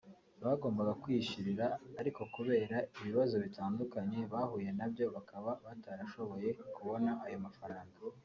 bagombaga kwiyishyurira ariko kubera ibibazo bitandukanye bahuye nabyo bakaba batarashoboye kubona ayo mafaranga